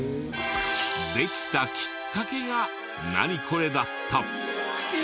できたきっかけが「ナニコレ？」だった。